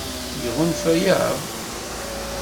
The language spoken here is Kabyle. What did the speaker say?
Iɣunfa-aɣ?